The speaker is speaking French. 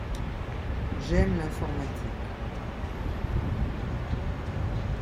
J’aime l’informatique.